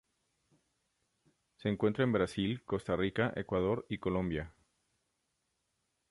Se encuentra en Brasil, Costa Rica, Ecuador y Colombia.